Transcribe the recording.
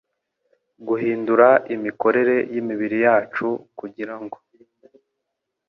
guhindura imikorere y’imibiri yacu, kugira ngo